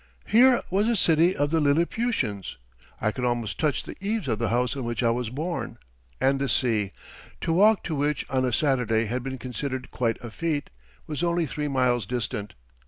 Here was a city of the Lilliputians. I could almost touch the eaves of the house in which I was born, and the sea to walk to which on a Saturday had been considered quite a feat was only three miles distant.